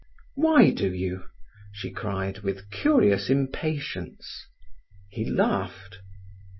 "Why do you?" she cried, with curious impatience. He laughed.